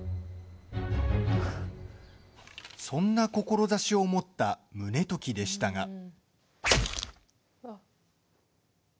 そんな志を持った宗時でしたが。